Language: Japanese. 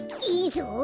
いいぞ。